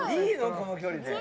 この距離で。